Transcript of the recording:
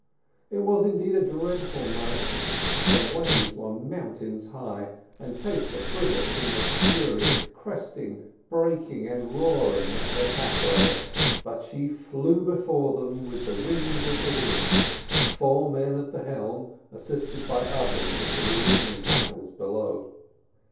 It was indeed a dreadful night: the waves were mountains high, and chased the frigate in their fury, cresting, breaking, and roaring at her taffrail; but she flew before them with the wings of the wind; four men at the helm assisted by others at the relieving tackles below.